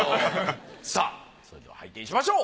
さあそれでは拝見しましょう。